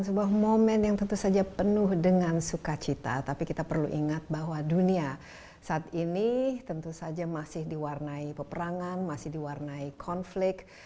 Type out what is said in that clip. sebuah momen yang tentu saja penuh dengan sukacita tapi kita perlu ingat bahwa dunia saat ini tentu saja masih diwarnai peperangan masih diwarnai konflik